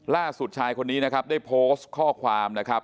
ชายคนนี้นะครับได้โพสต์ข้อความนะครับ